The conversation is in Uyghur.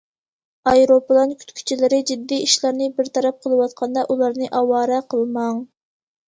ئايروپىلان كۈتكۈچىلىرى جىددىي ئىشلارنى بىر تەرەپ قىلىۋاتقاندا ئۇلارنى ئاۋارە قىلماڭ.